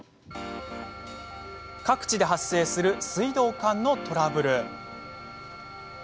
各地で発生する水道管のトラブル。